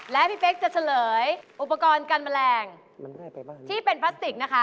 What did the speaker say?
และพี่เป๊กจะเฉลยอุปกรณ์กันแมลงที่เป็นพลาสติกนะคะ